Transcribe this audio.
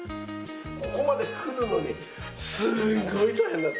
ここまで組むのにすごい大変だった。